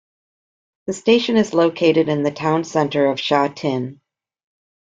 The station is located in the town centre of Sha Tin.